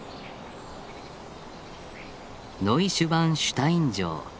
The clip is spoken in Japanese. ノイシュバンシュタイン城。